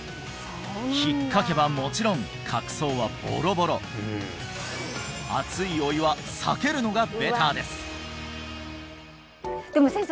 引っかけばもちろん角層はボロボロ熱いお湯は避けるのがベターですでも先生